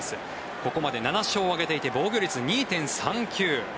ここまで７勝を挙げていて防御率２．３９。